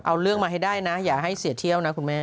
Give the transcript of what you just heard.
เอาเรื่องมาให้ได้นะอย่าให้เสียเที่ยวนะคุณแม่